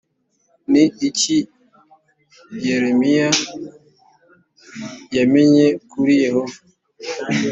ni iki yeremiya yamenye kuri yehova .